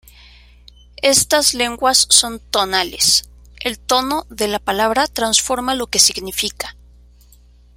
Estas lenguas son tonales; el tono de la palabra transforma lo que significa.